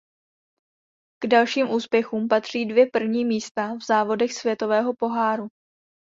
K dalším úspěchům patří dvě první místa v závodech světového poháru.